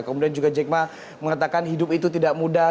kemudian juga jack ma mengatakan hidup itu tidak mudah